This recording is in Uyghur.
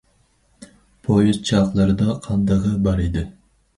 پويىز چاقلىرىدا قان دېغى بار ئىدى.